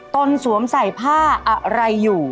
สวมใส่ผ้าอะไรอยู่